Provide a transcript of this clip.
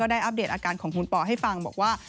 อัปเดตอาการของคุณปอให้ฟังบอกว่า